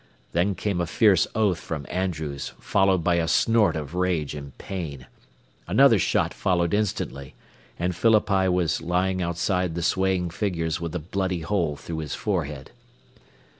Then came a fierce oath from Andrews, followed by a snort of rage and pain. Another shot followed instantly, and Phillippi was lying outside the swaying figures with a bloody hole through his forehead.